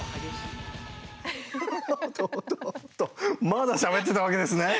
まだしゃべってたわけですね。